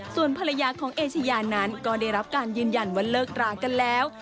ส่วนภรรยาของเอเชยานั้นก็ได้รับการยืนยันว่าเลิกรากันแล้ว